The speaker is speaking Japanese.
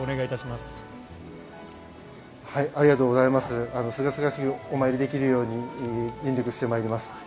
すがすがしくお参りできるように尽力してまいります。